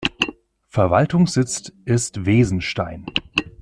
Verwaltungssitz ist Weesenstein.